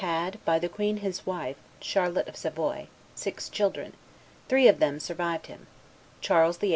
had by the queen his wife, Charlotte of Savoy, six children; three of them survived him: Charles VIII.